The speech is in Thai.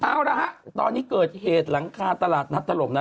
เปล่านะครับตอนนี้เกิดเหตุหลังคาตลาดนัดตลมนะ